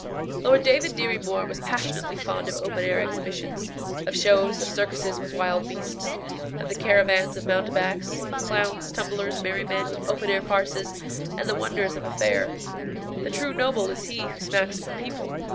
Lord David Dirry Moir was passionately fond of open air exhibitions, of shows, of circuses with wild beasts, of the caravans of mountebanks, of clowns, tumblers, merrymen, open air farces, and the wonders of a fair. The true noble is he who smacks of the people.